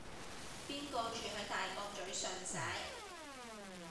邊個住喺大角嘴尚璽